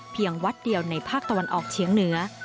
วัดเดียวในภาคตะวันออกเฉียงเหนือ